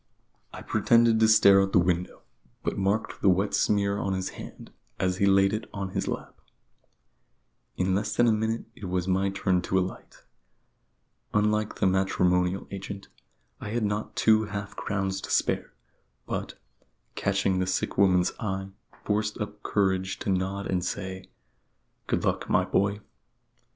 I pretended to stare out of the window, but marked the wet smear on his hand as he laid it on his lap. In less than a minute it was my turn to alight. Unlike the matrimonial agent, I had not two half crowns to spare; but, catching the sick woman's eye, forced up courage to nod and say "Good luck, my boy."